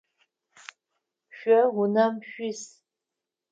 Шъо унэм шъуис?